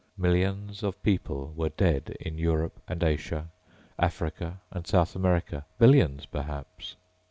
Millions of people were dead in Europe and Asia, Africa and South America. Billions, perhaps.